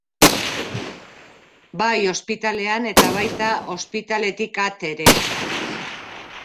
Bai ospitalean eta baita ospitaletik at ere.